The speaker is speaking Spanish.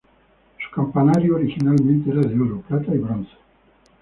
Su campanario originalmente era de oro, plata y bronce.